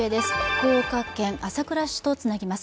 福岡県朝倉市とつなぎます。